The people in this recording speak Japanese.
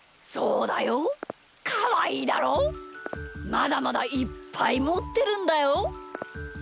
まだまだいっぱいもってるんだよ。